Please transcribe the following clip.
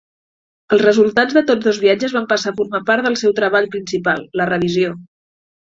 Els resultats de tots dos viatges van passar a formar part del seu treball principal, la "Revisio".